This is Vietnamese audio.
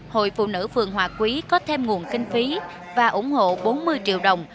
hội phụ nữ phường hòa quý có thêm nguồn kinh phí và ủng hộ bốn mươi triệu đồng